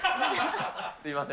すみません。